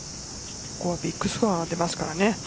ここはビッグスコアが出ますからね